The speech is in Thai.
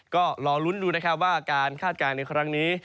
ก็รอลุ้นดูว่าอาการคาดการณ์ในครั้งนี้